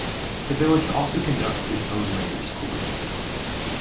The village also conducts its own mayor's court.